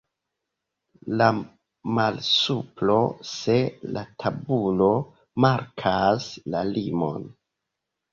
La malsupro se la tabulo markas la limon.